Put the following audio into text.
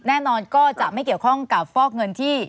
แน่นอนก็จะไม่เกี่ยวข้องกับฟอกเงินที่